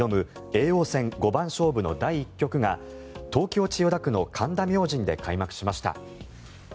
叡王戦五番勝負の第１局が東京・千代田区の神田明神で開幕しました。